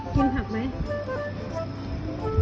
กินผักไหม